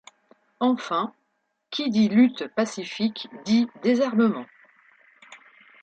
Enfin qui dit lutte pacifique, dit désarmement.